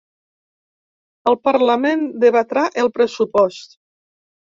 El parlament debatrà el pressupost.